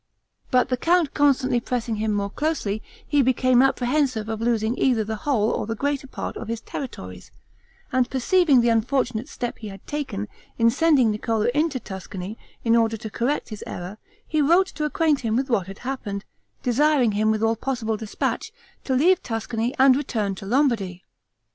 But the count constantly pressing him more closely, he became apprehensive of losing either the whole, or the greater part, of his territories; and perceiving the unfortunate step he had taken, in sending Niccolo into Tuscany, in order to correct his error, he wrote to acquaint him with what had transpired, desiring him, with all possible dispatch, to leave Tuscany and return to Lombardy.